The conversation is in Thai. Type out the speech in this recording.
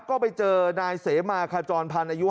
ก็ไปเจอนายเสมาคาจรพันธุ์